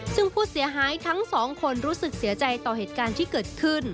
ซึ่งผู้เสียหายทั้งสองคนรู้สึกเสียใจต่อเหตุการณ์ที่เกิดขึ้น